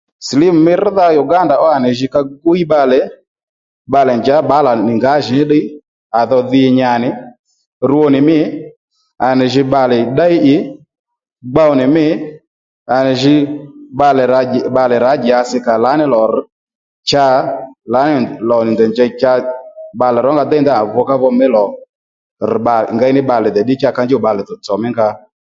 Silímù mí rŕdha Uganda ó à nì jǐ ka gwiy bbalè bbalè njǎ bbǎlà nì ngǎjìní ddiy à dho dhi nya nì rwo nì mî à nì jǐ bbalè ddéy ì gbow nì mî à nì jǐ bbalè rǎ bbalè rǎ dyasi kàò lǎní lò rr̀ cha lǎní lò nì ndèy njěy cha bbalè rónga déy ndanà vukávu mí lò rr̀ bbalè ngéy ní bbalè dè cha ka njûw bbalè tsò mí ngǎ